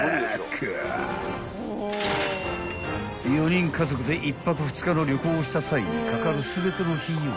［４人家族で１泊２日の旅行をした際にかかる全ての費用